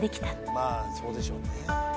「まあそうでしょうね」